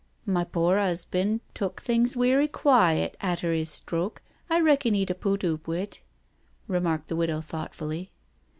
" My pore 'usban* tuk things werry quiet a'ter 'is stroke— I reckon 'e'd a put oop wi' it," remarked the widow thoughtfully.